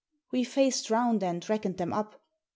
We faced round and reckoned them up.